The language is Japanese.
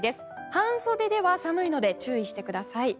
半袖では寒いので注意してください。